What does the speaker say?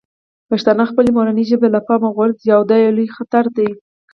پښتانه خپله مورنۍ ژبه له پامه غورځوي او دا یو لوی خطر دی.